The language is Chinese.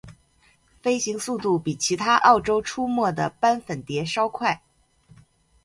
飞行速度比其他澳洲出没的斑粉蝶稍快。